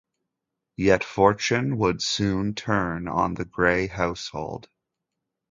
Yet fortune would soon turn on the Grey household.